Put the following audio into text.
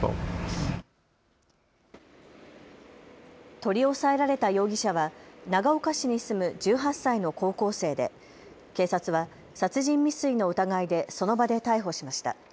取り押さえられた容疑者は長岡市に住む１８歳の高校生で警察は殺人未遂の疑いでその場で逮捕しました。